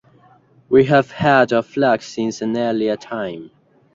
We have had our flags since an earlier time.